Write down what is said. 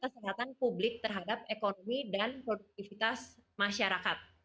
dan pentingnya kesehatan publik terhadap ekonomi dan produktivitas masyarakat